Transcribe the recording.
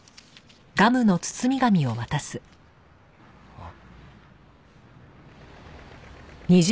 あっ。